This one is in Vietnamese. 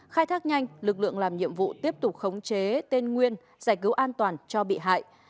khai thác nhanh lực lượng làm nhiệm vụ tiếp tục khống chế tên nguyên giải cứu an toàn cho bị hại